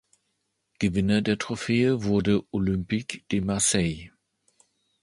Gewinner der Trophäe wurde Olympique de Marseille.